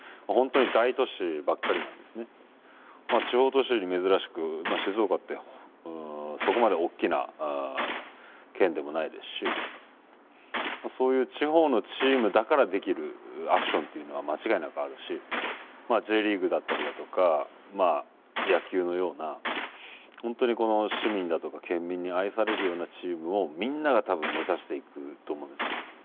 地方都市に珍しく静岡ってそこまでおっきな県でもないですしそういう地方のチームだからできるアクションというのは間違いなくあるしＪリーグだったりだとか野球のような本当に市民だとか県民に愛されるようなチームをみんなが多分目指していくと思うんですよ。